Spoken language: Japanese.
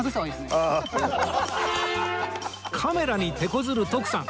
カメラに手こずる徳さん